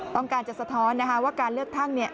ต้องการจะสะท้อนว่าการเลือกตั้ง